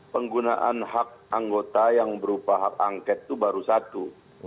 penggunaan hak anggota yang berupa hak angket itu baru satu